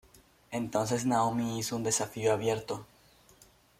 Entonces Naomi hizo un desafío abierto.